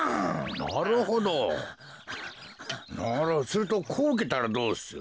するとこううけたらどうする？